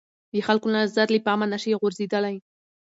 د خلکو نظر له پامه نه شي غورځېدلای